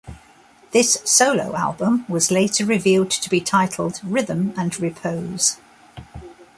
This solo album was later revealed to be titled "Rhythm and Repose".